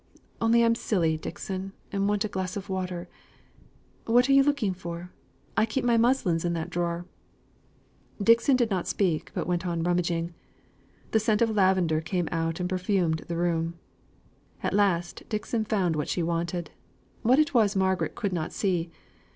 Only I'm silly, Dixon, and want a glass of water. What are you looking for? I keep my muslins in that drawer." Dixon did not speak, but went on rummaging. The scent of lavender came out and perfumed the room. At last Dixon found what she wanted; what it was Margaret could not see.